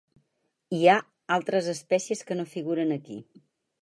Hi ha altres espècies que no figuren aquí.